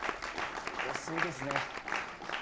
遅いですね。